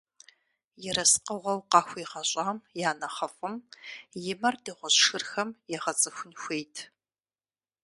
Ерыскъыгъуэу къахуигъэщӀам я нэхъыфӀым и мэр дыгъужь шырхэм егъэцӀыхун хуейт!